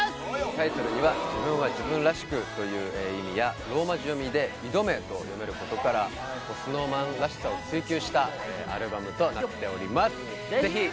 タイトルには自分は自分らしくという意味やローマ字読みで「いどめ」と読めることからＳｎｏｗＭａｎらしさを追求したアルバムとなっております